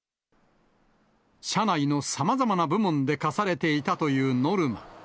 社内のさまざまな部門で課されていたというノルマ。